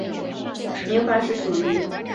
明矾石属于硫酸盐矿物。